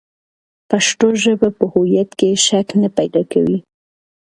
پښتو ژبه په هویت کې شک نه پیدا کوي.